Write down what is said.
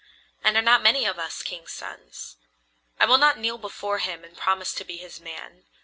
And are not many of us kings' sons? I will not kneel before him and promise to be his man.